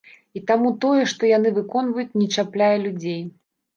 І таму тое, што яны выконваюць, не чапляе людзей.